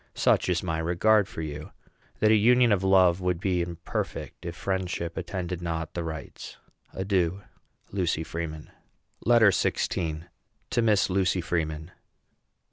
Such is my regard for you, that a union of love would be imperfect if friendship attended not the rites. Adieu. LUCY FREEMAN. LETTER XVI. TO MISS LUCY FREEMAN.